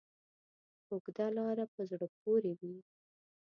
اوږده لاره په زړه پورې وي.